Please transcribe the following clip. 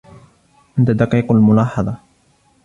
أنت دقيق الملاحظة.